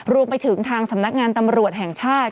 รวมไปถึงทางสำนักงานตำรวจแห่งชาติ